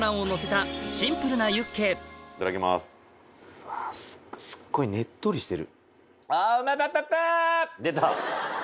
うわすっごいねっとりしてる。